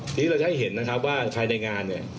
ทีนี้เราจะให้เห็นนะครับว่าภายในงานเนี่ย